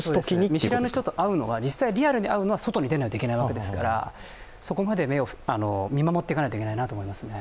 見知らぬ人と会うには、実際にリアルに会うには外に出ないといけないわけですから、そこまで見守っていかないといけないと思いますね。